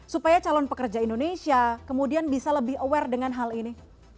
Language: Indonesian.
supaya calon pekerja indonesia kemudian bisa lebih aware dengan hal ini